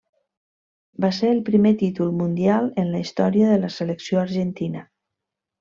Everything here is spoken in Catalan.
Va ser el primer títol mundial en la història de la selecció argentina.